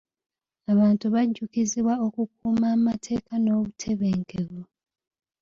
Abantu bajjukizibwa okukuuma amateeka n'obutebenkevu.